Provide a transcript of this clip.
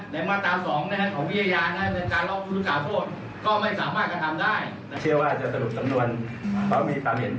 ในมาตราสองของวิทยาในการรอบทุกข์หรือการโทษก็ไม่สามารถกระทำได้